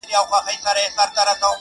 د جانان د کوڅې لوری مو قبله ده -